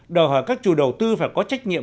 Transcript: đòi hỏi các chủ đầu tư phải có trách nhiệm